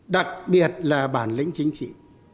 đặc biệt là bản lĩnh chính trị